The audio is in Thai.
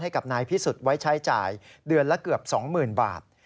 ให้กับนายพิสุทธิ์ไว้ใช้จ่ายเดือนละเกือบ๒๐๐๐บาท